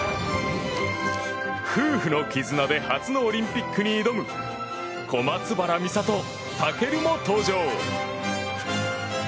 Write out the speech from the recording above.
夫婦の絆で初のオリンピックに挑む小松原美里、尊も登場。